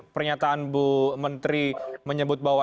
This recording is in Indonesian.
pernyataan bu menteri menyebut bahwa